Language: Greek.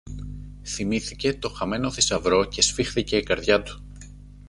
Θυμήθηκε το χαμένο θησαυρό και σφίχθηκε η καρδιά του.